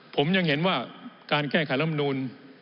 ผมยังเห็นว่าการแก้ไขลำนูล